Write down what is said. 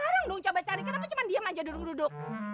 ya sekarang dong coba cari kita atau cuma diem aja dulu duduk